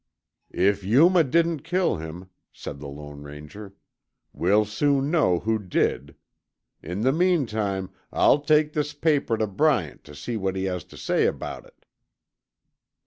"If Yuma didn't kill him," said the Lone Ranger, "we'll soon know who did. In the meantime, I'll take this paper to Bryant to see what he has to say about it."